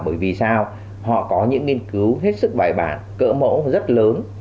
bởi vì sao họ có những nghiên cứu hết sức bài bản cỡ mẫu rất lớn